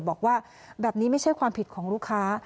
บอกว่าแบบนี้ไม่ใช่ความผิดของลูกค้า